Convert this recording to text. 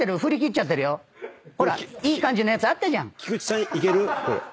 いい感じのやつあったじゃん。